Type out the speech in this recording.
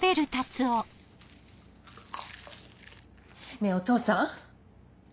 ねぇお父さん？